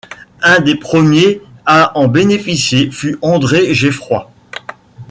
Un des premiers à en bénéficier fut André Geffroy.